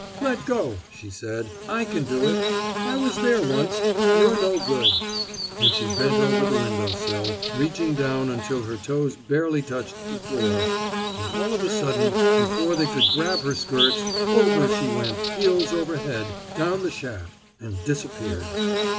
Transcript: "Leg go!" she said. "I can do it. I was there wunst. You're no good." And she bent over the window sill, reaching down until her toes barely touched the floor, when all of a sudden, before they could grab her skirts, over she went, heels over head, down the shaft, and disappeared.